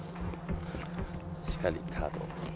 しっかりカード。